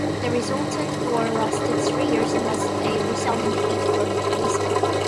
The resultant war lasted three years and was a resounding defeat for Mysore.